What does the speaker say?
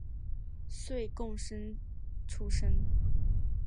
岁贡生出身。